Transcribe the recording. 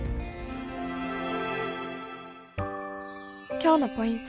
今日のポイント